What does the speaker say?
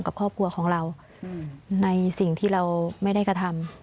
กับครอบครัวของเราในสิ่งที่เราไม่ได้กระทำ